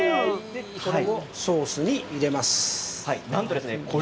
これをソースに入れます。